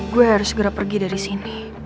gue harus segera pergi dari sini